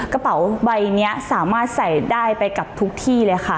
กระเป๋าใบนี้สามารถใส่ได้ไปกับทุกที่เลยค่ะ